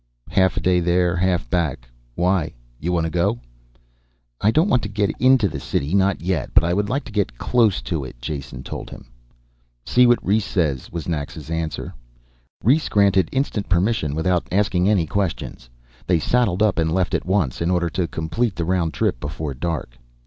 "Half a day there half back. Why? Y'want to go?" "I don't want to get into the city, not yet. But I would like to get close to it," Jason told him. "See what Rhes say," was Naxa's answer. Rhes granted instant permission without asking any questions. They saddled up and left at once, in order to complete the round trip before dark.